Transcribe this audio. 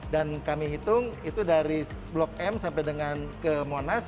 kami hitung itu dari blok m sampai dengan ke monas